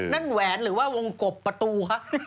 นี่ก็วงกรบประตูครับ